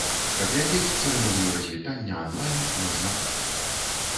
Глядзець цырымонію развітання анлайн можна тут.